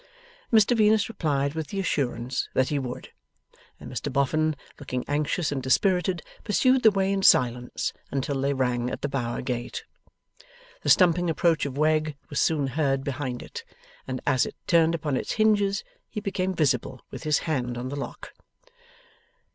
Mr Venus replied with the assurance that he would; and Mr Boffin, looking anxious and dispirited, pursued the way in silence until they rang at the Bower gate. The stumping approach of Wegg was soon heard behind it, and as it turned upon its hinges he became visible with his hand on the lock.